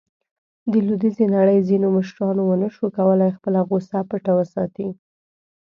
د لویدیځې نړۍ ځینو مشرانو ونه شو کولاې خپله غوصه پټه وساتي.